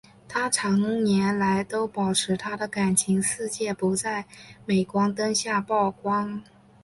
她长年来都保持她的感情世界不在镁光灯下曝光。